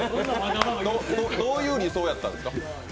どういうふうに思ったんですか？